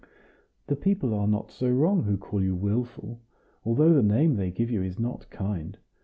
"The people are not so wrong who call you wilful, although the name they give you is not kind.